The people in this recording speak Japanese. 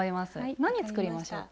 何作りましょうか？